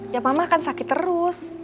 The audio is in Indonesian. ya mama kan sakit terus